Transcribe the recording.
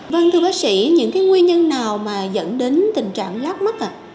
vâng thưa bác sĩ những cái nguyên nhân nào mà dẫn đến tình trạng lắc mắt ạ